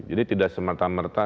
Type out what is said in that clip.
jadi tidak semerta merta